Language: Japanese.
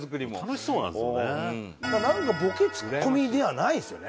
なんかボケツッコミではないですよね